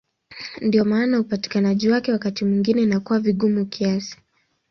Ndiyo maana upatikanaji wake wakati mwingine inakuwa vigumu kiasi.